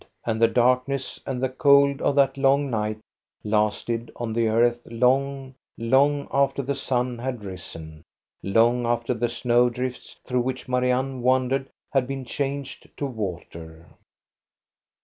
And the darkness and the cold of that long night lasted on the earth long, long after the sun had risen, long after the snow drifts through which Marianne wandered had been changed to water.